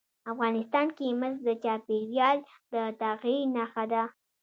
افغانستان کې مس د چاپېریال د تغیر نښه ده.